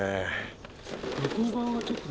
向こう側がちょっとね